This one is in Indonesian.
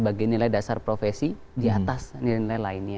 bagi nilai dasar profesi di atas nilai nilai lainnya